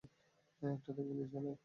একটাতে গুলি চালাই।